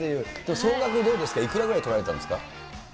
総額どうですか、いくらぐらい取られたんですか？